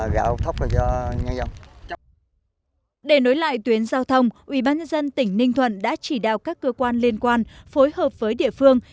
để nối lại tuyến giao thông ubnd tỉnh ninh thuận đã chỉ đạo các cơ quan liên quan phối hợp với địa phương